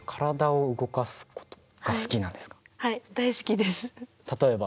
はい大好きです。